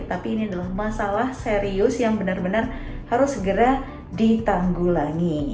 tapi ini adalah masalah serius yang benar benar harus segera ditanggulangi